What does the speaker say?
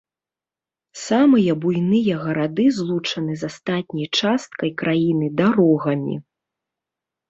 Самыя буйныя гарады злучаны з астатняй часткай краіны дарогамі.